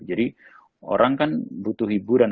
jadi orang kan butuh hiburan